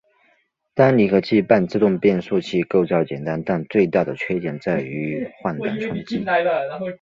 单离合器半自动变速器构造简单但最大的缺点在于换挡冲击。